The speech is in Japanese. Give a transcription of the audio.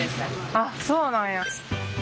あっそうなんや。